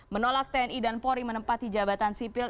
menolak tni dan polri menempati jabatan sipil